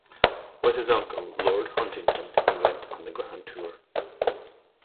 With his uncle Lord Huntington, he went on the Grand Tour.